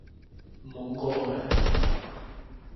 Mongolové.